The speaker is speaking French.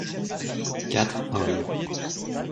Quatre hommes.